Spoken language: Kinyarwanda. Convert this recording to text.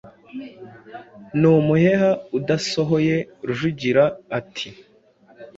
numuheha udasohoye. Rujugira, ati «